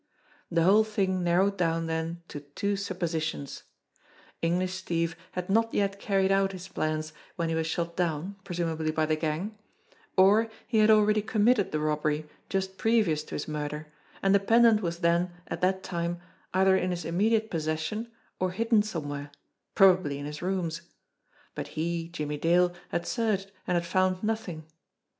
The whole thing narrowed down then to two suppositions : English Steve had not yet carried out his plans when he was shot down, presumably, by the gang ; or he had already com mitted the robbery just previous to his murder and the pendant was then, at that time, either in his immediate pos session or hidden somewhere, probably in his rooms. But he, Jimmie Dale, had searched and had found nothing.